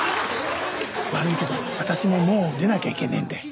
悪いけど私ももう出なきゃいけねえんで。